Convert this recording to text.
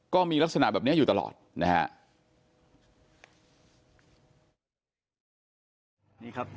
ก็มีลักษณะแบบเนี่ยอยู่ตลอดนะฮะ